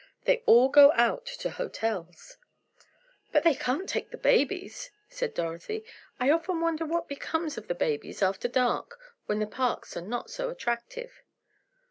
They all go out to hotels." "But they can't take the babies," said Dorothy. "I often wonder what becomes of the babies after dark, when the parks are not so attractive."